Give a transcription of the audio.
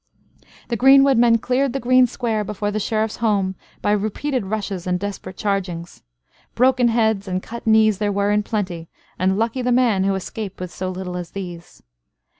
The greenwood men cleared the green square before the Sheriff's home by repeated rushes and desperate chargings. Broken heads and cut knees there were in plenty; and lucky the man who escaped with so little as these.